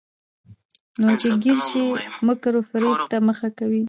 نو چې راګېره شي، مکر وفرېب ته مخه کوي.